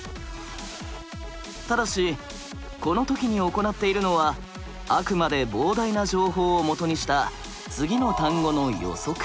ただしこの時に行っているのはあくまで膨大な情報をもとにした次の単語の予測。